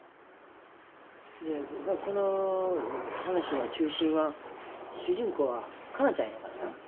この話の中心は主人公は香菜ちゃんやからな。